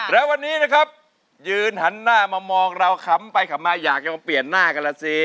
แล้ววันนี้นะครับยืนหันหน้ามามองเราขำไปขำมาอยากจะมาเปลี่ยนหน้ากันล่ะสิ